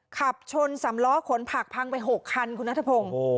ขับชนสำล้อขนผักพังไป๖คันคุณนัทพงศ์